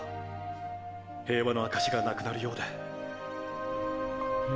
平和の証しが無くなるようで。